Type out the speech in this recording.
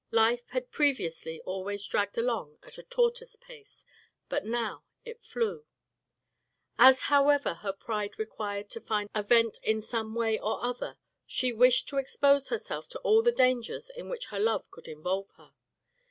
Life had previously always dragged along at a tortoise pace, but now it flew. As, however, her pride required to find a vent in some way or other, she wished to expose herself to all the dangers in which her love could involve her.